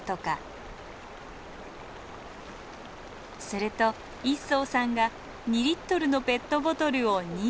すると一双さんが２リットルのペットボトルを２本。